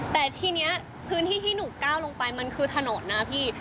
แต่ทีนี้พื้นที่ที่หนูก้าวลงไปมันคือถนนนะพี่